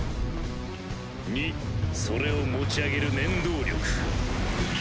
２それを持ち上げる念動力。